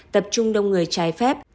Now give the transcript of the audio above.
tập trung đông người trái phép